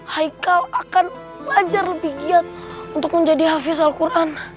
haikal akan belajar lebih giat untuk menjadi hafiz al quran